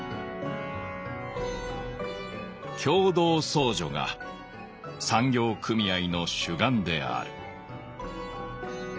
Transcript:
「協同相助が産業組合の主眼である」。